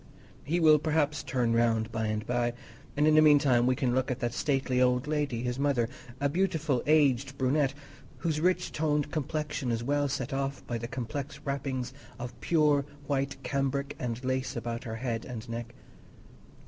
He will perhaps turn round by and by, and in the meantime we can look at that stately old lady, his mother, a beautiful aged brunette, whose rich toned complexion is well set off by the complex wrappings of pure white cambric and lace about her head and neck.